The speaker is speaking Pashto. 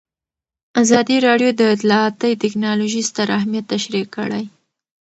ازادي راډیو د اطلاعاتی تکنالوژي ستر اهميت تشریح کړی.